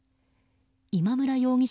今村容疑者